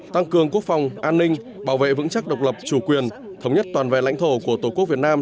tăng cường quốc phòng an ninh bảo vệ vững chắc độc lập chủ quyền thống nhất toàn vẹn lãnh thổ của tổ quốc việt nam